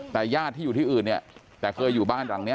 แต่ญาติที่อยู่ที่อื่นเนี่ยแต่เคยอยู่บ้านหลังนี้